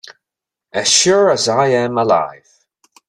As sure as I am alive